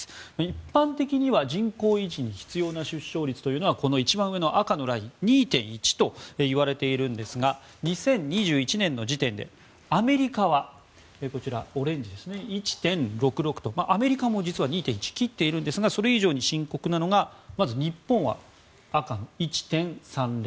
一般的には人口維持に必要な出生率はこの一番上の赤のライン２．１といわれているんですが２０２１年の時点でアメリカは、オレンジですね１．６６とアメリカも実は２．１を切っているんですがそれ以上に深刻なのが日本は赤の１．３０